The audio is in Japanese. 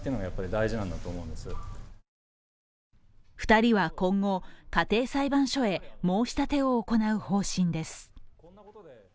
２人は今後、家庭裁判所へ申し立てを行う方針です。